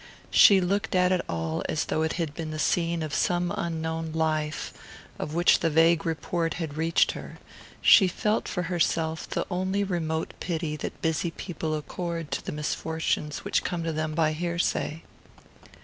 She looked at it all as though it had been the scene of some unknown life, of which the vague report had reached her: she felt for herself the only remote pity that busy people accord to the misfortunes which come to them by hearsay.